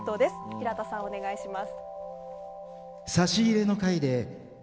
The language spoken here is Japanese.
平田さん、お願いします。